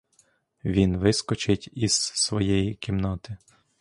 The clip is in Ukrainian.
Він вискочить із своєї кімнати.